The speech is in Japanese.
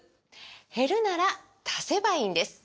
減るなら足せばいいんです！